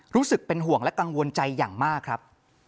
รู้สึกเป็นห่วงและกังวลใจอย่างมากครับ